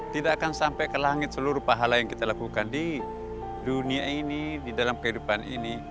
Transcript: tidak akan sampai ke langit seluruh pahala yang kita lakukan di dunia ini di dalam kehidupan ini